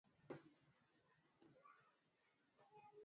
Epuka kutumia wafanyakazi kutoka sehemu tofauti